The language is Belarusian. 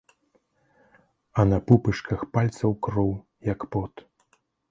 А на пупышках пальцаў кроў, як пот.